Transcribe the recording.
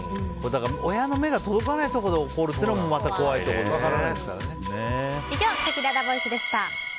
親の目が届かないところで起こるっていうのも以上、せきららボイスでした。